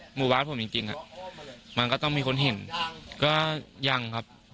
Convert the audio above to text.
หมู่บ้านผมจริงมันก็ต้องมีคนเห็นก็ยังครับ